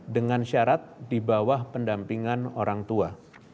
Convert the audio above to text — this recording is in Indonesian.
dengan syarat di bawah pendampingan orang tua